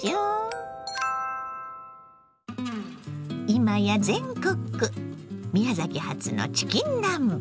今や全国区宮崎発のチキン南蛮。